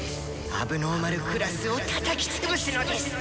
問題児クラスをたたき潰すのです！」。